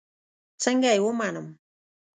څنگه يې ومنم.